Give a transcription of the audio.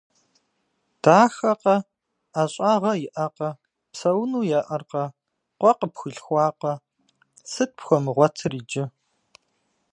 Дахэкъэ, ӏэщӏагъэ иӏэкъэ, псэуну еӏэркъэ, къуэ къыпхуилъхуакъэ. Сыт пхуэмыгъуэтыр иджы?